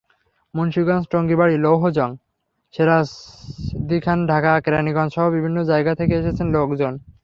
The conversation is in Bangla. মুন্সিগঞ্জ, টঙ্গিবাড়ী, লৌহজং, সিরাজদিখান, ঢাকার কেরানীগঞ্জসহ বিভিন্ন জায়গা থেকে এসেছেন লোকজন।